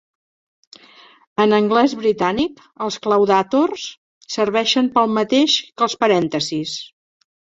En anglès britànic, els claudàtors serveixen per al mateix que els parèntesis.